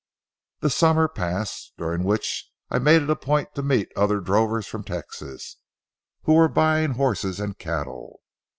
The summer passed, during which I made it a point to meet other drovers from Texas who were buying horses and cattle.